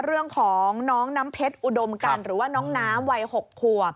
เรื่องของน้องน้ำเพชรอุดมกันหรือว่าน้องน้ำวัย๖ขวบ